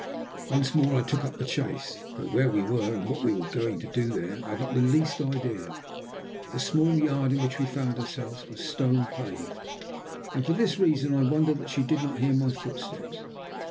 Once more I took up the chase, though where we were, and what we were going to do there, I had not the least idea. The small yard in which we found ourselves was stone paved, and for this reason I wondered that she did not hear my footsteps.